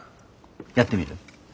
やってみる？